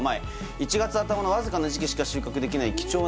「１月頭のわずかな時期しか収穫できない貴重な苺」